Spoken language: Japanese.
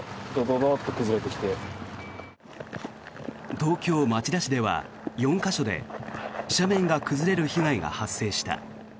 東京・町田市では４か所で斜面が崩れる被害が発生した。